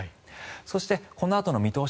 そして、このあとの見通し